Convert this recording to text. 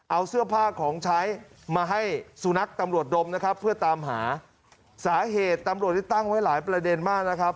เอาเสื้อผ้าของใช้มาให้สุนัขตำรวจดมนะครับเพื่อตามหาสาเหตุตำรวจที่ตั้งไว้หลายประเด็นมากนะครับ